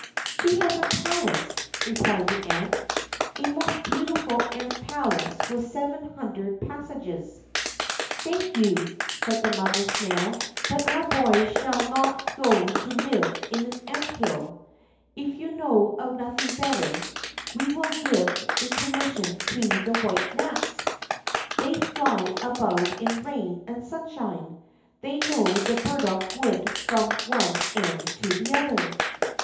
"She has a palace," replied the ant, "a most beautiful ant palace with seven hundred passages." "Thank you," said the mother snail; "but our boy shall not go to live in an ant hill. If you know of nothing better, we will give the commission to the white gnats; they fly about in rain and sunshine; they know the burdock wood from one end to the other."